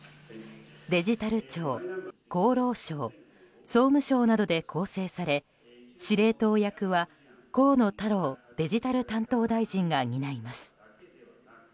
デジタル庁、厚労省総務省などで構成され司令塔役は河野太郎デジタル担当大臣が担います。